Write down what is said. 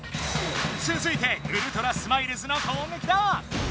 つづいてウルトラスマイルズのこうげきだ！